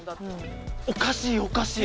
おかしいおかしい。